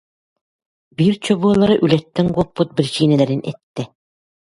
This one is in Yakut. биир чобуолара үлэттэн куоппут биричиинэлэрин эттэ